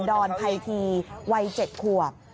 อนไพทีวัย๗ขวบ